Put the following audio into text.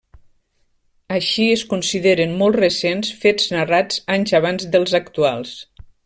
Així, es consideren molt recents fets narrats anys abans dels actuals.